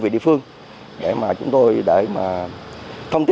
về việc đốt pháo nổ tàn trường